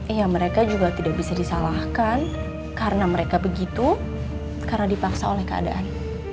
iya mereka juga tidak bisa disalahkan karena mereka begitu karena dipaksa oleh keadaan